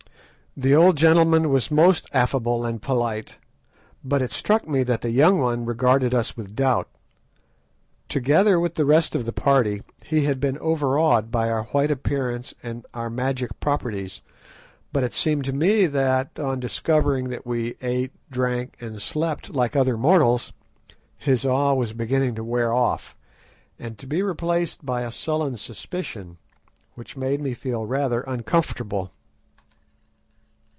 The old gentleman was most affable and polite, but it struck me that the young one regarded us with doubt. Together with the rest of the party, he had been overawed by our white appearance and by our magic properties; but it seemed to me that, on discovering that we ate, drank, and slept like other mortals, his awe was beginning to wear off, and to be replaced by a sullen suspicion—which made me feel rather uncomfortable.